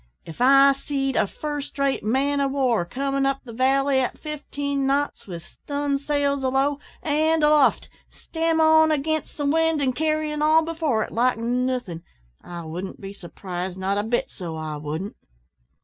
If I seed a first rate man o' war comin' up the valley at fifteen knots, with stun' sails alow and aloft, stem on, against the wind, an' carryin' all before it, like nothin', I wouldn't be surprised, not a bit, so I wouldn't!"